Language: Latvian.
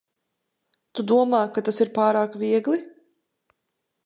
Tu domā, ka tas ir pārāk viegli?